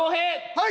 はい。